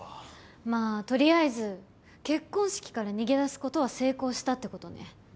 まあとりあえず結婚式から逃げ出すことは成功したってことね。